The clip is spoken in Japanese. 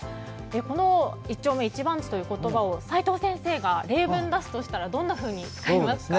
この一丁目一番地という言葉を齋藤先生が例文に出すとしたらどう使いますか？